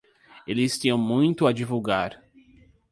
Eles tinham muito a divulgar.